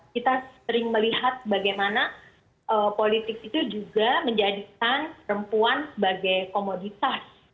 kita sering melihat bagaimana politik itu juga menjadikan perempuan sebagai komoditas